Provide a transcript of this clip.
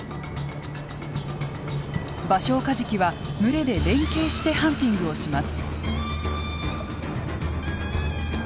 バショウカジキは群れで連携してハンティングをします。